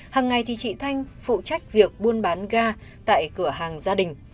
hằng ngày thì chị thanh phụ trách việc buôn bán ga tại cửa hàng gia đình